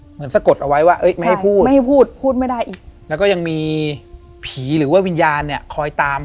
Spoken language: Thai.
เหมือนสะกดเอาไว้ว่าไม่ให้พูดพูดไม่ได้อีกแล้วก็ยังมีผีหรือว่าวิญญาณเนี้ยคอยตาม